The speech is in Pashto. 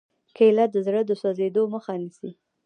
کېله د زړه د سوځېدو مخه نیسي.